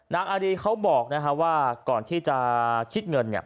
อารีเขาบอกว่าก่อนที่จะคิดเงินเนี่ย